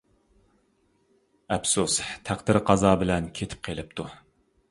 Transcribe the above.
ئەپسۇس، تەقدىرى قازا بىلەن كېتىپ قېلىپتۇ.